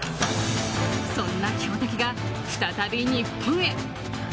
そんな強敵が再び日本へ。